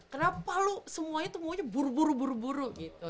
kenapa lo semuanya tuh maunya buru buru buru buru gitu